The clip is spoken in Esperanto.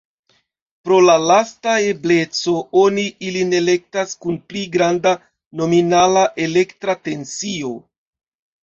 Pro la lasta ebleco oni ilin elektas kun pli granda nominala elektra tensio.